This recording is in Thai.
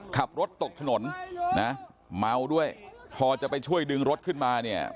ขับรถตกถนนนะเมาด้วยพอจะไปช่วยดึงรถขึ้นมาเนี่ย